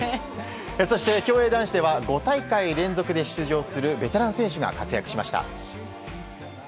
そして競泳男子では５大会連続で出場するベテラン選手が活躍しました。